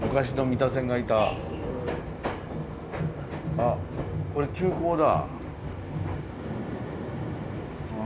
あこれ急行だ。